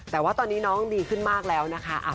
แต่ว่าตอนนี้น้องดีขึ้นมากแล้วนะคะ